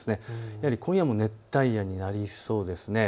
やはり今夜も熱帯夜になりそうです。